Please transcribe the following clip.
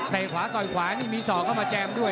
แต่ขวาต่อยขวานี่มีศอกเข้ามาแจมด้วย